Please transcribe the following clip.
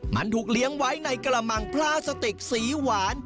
มันถูกเลี้ยงไว้ในกระมังพลาสติกสีหวาน